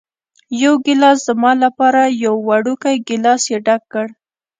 یو ګېلاس زما لپاره، یو وړوکی ګېلاس یې ډک کړ.